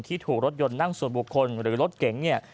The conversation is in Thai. ถูกรถยนต์นั่งส่วนบุคคลหรือรถเก๋งเนี่ย